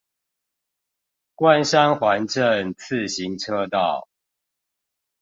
關山環鎮自行車道